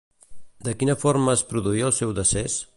De quina forma es va produir el seu decés?